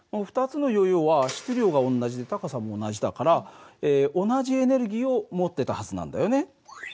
２つのヨーヨーは質量が同じで高さも同じだから同じエネルギーを持ってたはずなんだよね。